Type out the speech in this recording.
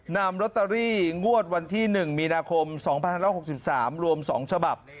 นำลอตเตอรี่งวดวันที่๑มีนาคม๒๑๖๓รวม๒ฉบับ